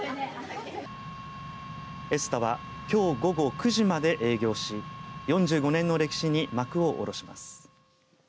エスタはきょう午後９時まで営業し４５年の歴史に幕を下ろします。